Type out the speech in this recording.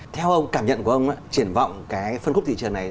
theo cảm nhận của ông triển vọng phân khúc thị trường này